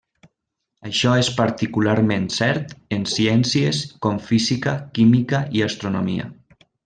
Això és particularment cert en ciències com física, química i astronomia.